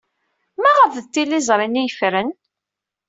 Maɣef d tizlit-nni ay yefren?